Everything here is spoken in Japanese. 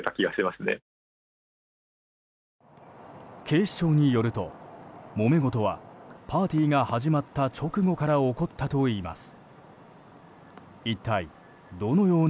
警視庁によると、もめごとはパーティーが始まった直後から起こったといいます。